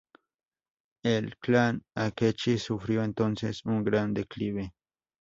El clan Akechi sufrió entonces un gran declive.